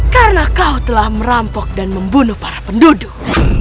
karena kau telah merampok dan membunuh para penduduk